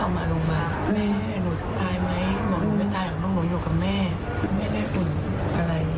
บอโรบะไตล์ของน้องหนูอยู่กับแม่ไม่ได้ขุนอะไร